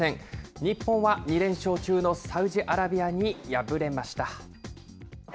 日本は２連勝中のサウジアラビアに敗れました。